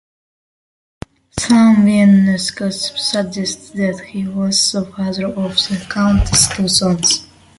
Some Viennese gossips suggested that he was the father of the Countess two sons.